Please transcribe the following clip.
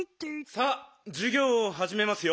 さあじゅぎょうをはじめますよ。